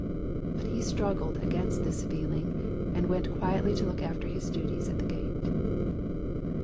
But he struggled against this feeling, and went quietly to look after his duties at the gate.